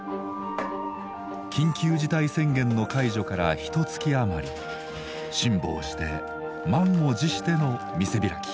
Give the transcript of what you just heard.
緊急事態宣言の解除からひと月余り辛抱して満を持しての店開き。